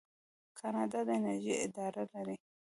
کاناډا د انرژۍ اداره لري.